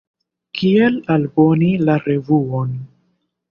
Kiel aboni la revuon?